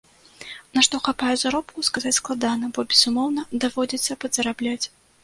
На што хапае заробку, сказаць складана, бо, безумоўна, даводзіцца падзарабляць.